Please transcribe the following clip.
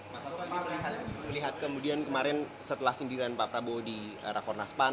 masa sekarang kemudian kemarin setelah sindiran pak prabowo di rakornas pan